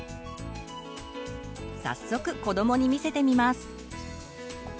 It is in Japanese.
早速子どもに見せてみます。